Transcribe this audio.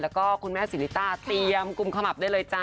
แล้วก็คุณแม่สิริต้าเตรียมกุมขมับได้เลยจ้